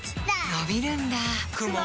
のびるんだ